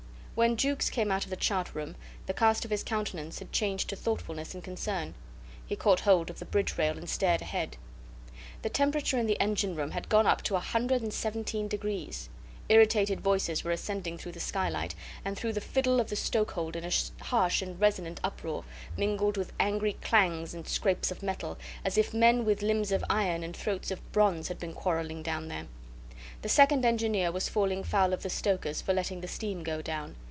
When Jukes came out of the chart room, the cast of his countenance had changed to thoughtfulness and concern. He caught hold of the bridge rail and stared ahead. The temperature in the engine room had gone up to a hundred and seventeen degrees. Irritated voices were ascending through the skylight and through the fiddle of the stokehold in a harsh and resonant uproar, mingled with angry clangs and scrapes of metal, as if men with limbs of iron and throats of bronze had been quarrelling down there. The second engineer was falling foul of the stokers for letting the steam go down.